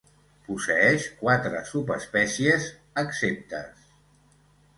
Posseeix quatre subespècies acceptes.